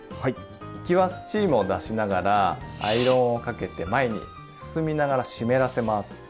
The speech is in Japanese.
行きはスチームを出しながらアイロンをかけて前に進みながら湿らせます。